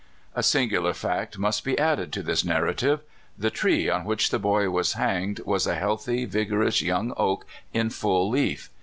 A sinorular fact must be added to this narrative. The tree on which the boy was hanged was a healthy, vigorous young oak, in full leaf.